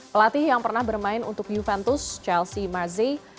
pelatih yang pernah bermain untuk juventus chelsea mazey